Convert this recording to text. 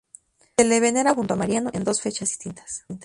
Se le venera junto a Marino, en dos fechas distintas.